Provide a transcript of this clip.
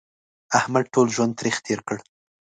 احمد ټول ژوند تریخ تېر کړ.